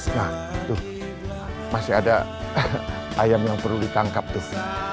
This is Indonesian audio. nah tuh masih ada ayam yang perlu ditangkap tuh